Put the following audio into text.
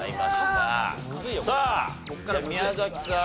さあ宮崎さん